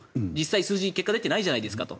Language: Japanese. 数字結果出てないじゃないですかと。